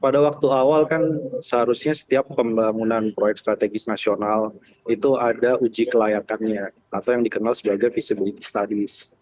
pada waktu awal kan seharusnya setiap pembangunan proyek strategis nasional itu ada uji kelayakannya atau yang dikenal sebagai visibility studies